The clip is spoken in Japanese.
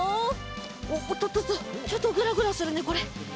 おっとっとっとちょっとぐらぐらするねこれ。